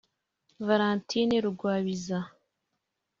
Valentine Rugwabiza